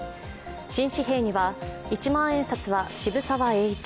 新紙幣には一万円札は渋沢栄一